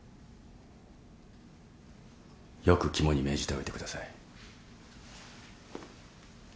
よく肝に銘じておいてください。